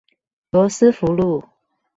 羅斯福路